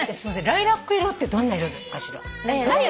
ライラック色ってどんな色かしら？